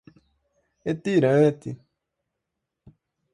retirante